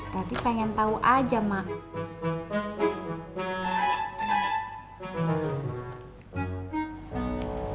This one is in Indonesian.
tadi pengen tau aja mak